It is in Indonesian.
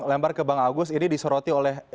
lempar ke bang agus ini disoroti oleh